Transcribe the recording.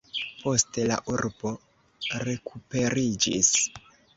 Poste la urbo rekuperiĝis.